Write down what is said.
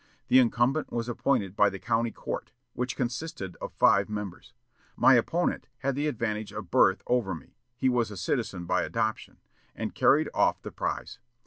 The incumbent was appointed by the county court, which consisted of five members. My opponent had the advantage of birth over me (he was a citizen by adoption), and carried off the prize.